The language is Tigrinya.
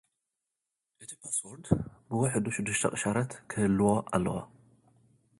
እቲ ፓስዎርድ፡ ብውሕዱ ሽዱሽተ ቅሻረት ክህልዎ ኣለዎ።